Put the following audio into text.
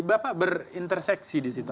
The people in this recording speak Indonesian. berapa berinterseksi di situ